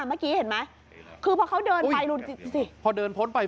เมื่อกี้เห็นไหมคือพอเขาเดินไปรุนจริงสิพอเดินพ้นไป